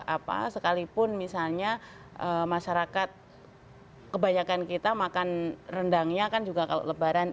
apa sekalipun misalnya masyarakat kebanyakan kita makan rendangnya kan juga kalau lebaran